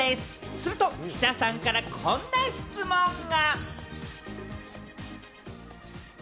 すると、記者さんからこんな質問が。